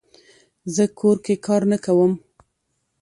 زه کور کې کار نه کووم